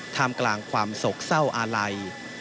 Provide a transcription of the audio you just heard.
ท่ามกลางความโศกเศร้าอาลัย